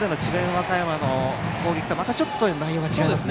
和歌山の攻撃とはまたちょっと、内容が違いますね。